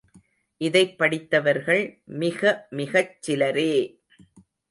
இதைப் படித்தவர்கள் மிகமிகச்சிலரே!